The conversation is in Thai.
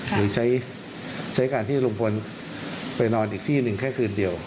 หรือใช้การที่ลุงพลไปนอนอีกที่หนึ่งแค่คืนเดียว